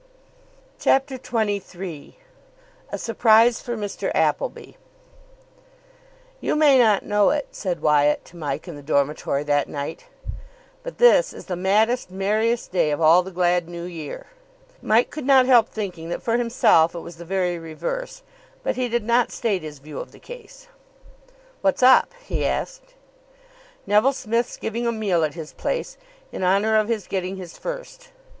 CHAPTER XXIII A SURPRISE FOR MR. APPLEBY "You may not know it," said Wyatt to Mike in the dormitory that night, "but this is the maddest, merriest day of all the glad New Year." Mike could not help thinking that for himself it was the very reverse, but he did not state his view of the case. "What's up?" he asked. "Neville Smith's giving a meal at his place in honour of his getting his first.